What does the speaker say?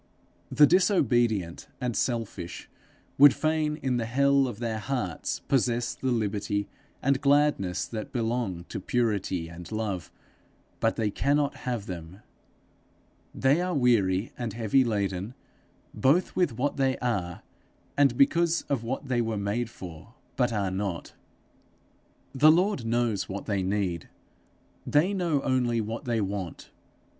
The disobedient and selfish would fain in the hell of their hearts possess the liberty and gladness that belong to purity and love, but they cannot have them; they are weary and heavy laden, both with what they are, and because of what they were made for but are not. The Lord knows what they need; they know only what they want.